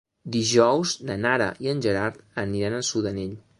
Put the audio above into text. Dijous na Nara i en Gerard aniran a Sudanell.